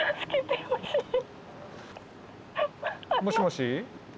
もしもし？